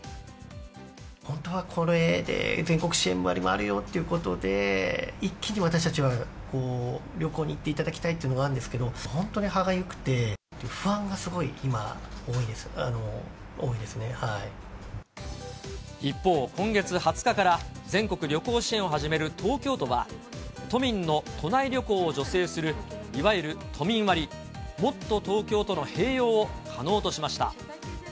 本当はこれで全国支援割もあるよっていうことで、一気に私たちは、旅行に行っていただきたいというのがあるんですけど、本当に歯がゆくて、不安がすごい一方、今月２０日から、全国旅行支援を始める東京都は、都民の都内旅行を助成する、いわゆる都民割、もっとＴｏｋｙｏとの併用を可能としました。